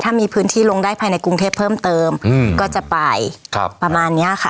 ถ้ามีพื้นที่ลงได้ภายในกรุงเทพเพิ่มเติมอืมก็จะไปครับประมาณเนี้ยค่ะ